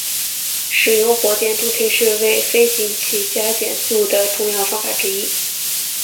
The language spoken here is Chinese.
使用火箭助推是为飞行器加减速的重要方法之一。